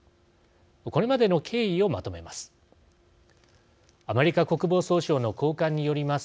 これまでの経緯をまとめます。